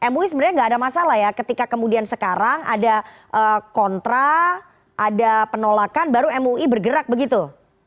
mui sebenarnya nggak ada masalah ya ketika kemudian sekarang ada kontra ada penolakan baru mui bergerak begitu